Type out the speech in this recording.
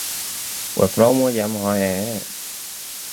Quẹp râu mô dám hó hé